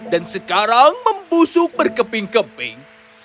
dan sekarang membusuk berkeping keping